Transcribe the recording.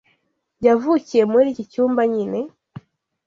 Yavukiye muri iki cyumba nyine.